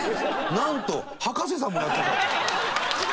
なんと葉加瀬さんもやってた。